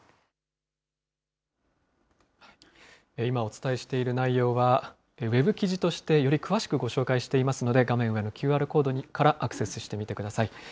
今お伝えしている内容は、ウェブ記事として、より詳しくご紹介していますので、画面上のＱＲコードからアクセスしてみてください。